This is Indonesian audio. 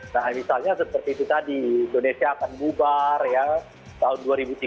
nah misalnya seperti itu tadi indonesia akan bubar ya tahun dua ribu tiga puluh